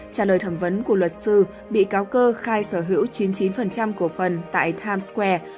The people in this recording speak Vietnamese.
trả lời thẩm vấn của luật sư bị cáo cơ khai sở hữu chín mươi chín cổ phần tại times square